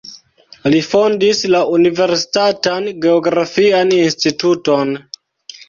Li fondis la universitatan geografian instituton.